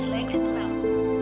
tekan eksen terus langsung